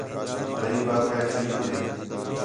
غریب آکھا ہِے ٹھیک ہِے